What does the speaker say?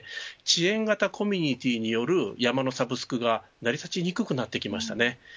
地縁型コミュニティーによる山のサブスクが成り立ちにくくなりました。